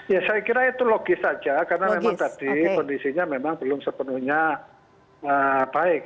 ya saya kira itu logis saja karena memang tadi kondisinya memang belum sepenuhnya baik